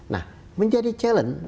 nah menjadi challenge